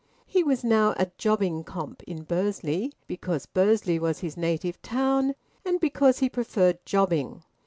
He was now a `jobbing comp' in Bursley, because Bursley was his native town and because he preferred jobbing.